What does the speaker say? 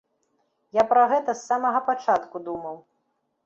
Я пра гэта з самага пачатку думаў.